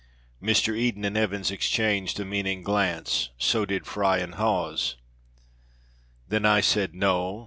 Mr. Eden and Evans exchanged a meaning glance; so did Fry and Hawes. "Then I said, 'No!